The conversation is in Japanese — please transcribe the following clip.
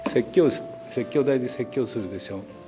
説教台で説教するでしょ。